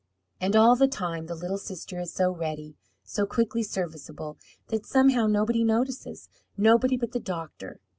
And all the time the little sister is so ready, so quickly serviceable, that somehow nobody notices nobody but the doctor.